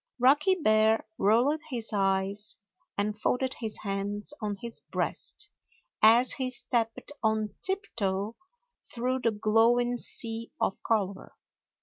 Rocky Bear rolled his eyes and folded his hands on his breast as he stepped on tiptoe through the glowing sea of color.